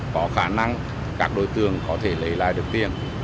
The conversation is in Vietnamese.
có khả năng các đối tượng có thể lấy lại được tiền